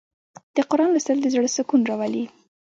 د قرآن لوستل د زړه سکون راولي.